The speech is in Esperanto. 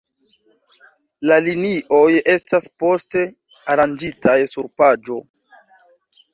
La linioj estas poste aranĝitaj sur paĝo.